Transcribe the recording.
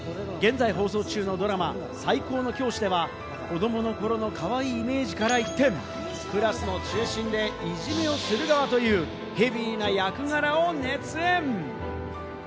現在放送中のドラマ『最高の教師』では、子どもの頃のかわいいイメージから一転、クラスの中心で、いじめをする側というヘビーな役柄を熱演。